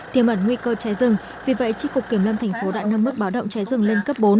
tiềm ẩn nguy cơ cháy rừng vì vậy tri cục kiểm lâm thành phố đã nâng mức báo động cháy rừng lên cấp bốn